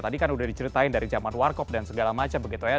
tadi kan udah diceritain dari zaman warkop dan segala macam begitu ya